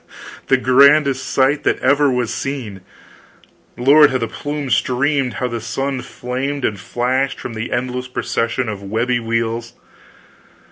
The grandest sight that ever was seen. Lord, how the plumes streamed, how the sun flamed and flashed from the endless procession of webby wheels!